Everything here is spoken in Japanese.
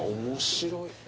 面白い。